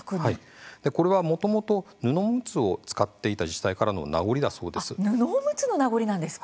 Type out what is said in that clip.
これは、もともと布おむつを使っていた時代からの名残だそうです。